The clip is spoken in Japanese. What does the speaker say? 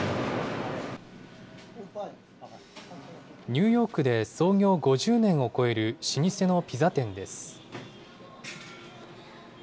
ニューヨークで創業５０年を超える老舗のピザ店です。